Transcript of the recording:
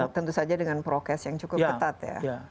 tentu saja dengan prokes yang cukup ketat ya